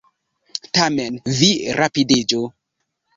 Tamen, vi rapidiĝu.